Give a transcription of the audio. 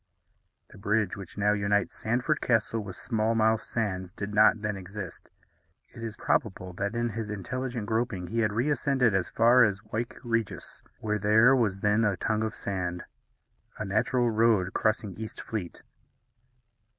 The bridge which now unites Sandford Castle with Smallmouth Sands did not then exist. It is probable that in his intelligent groping he had reascended as far as Wyke Regis, where there was then a tongue of sand, a natural road crossing East Fleet.